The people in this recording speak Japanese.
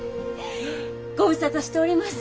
ご無沙汰しております。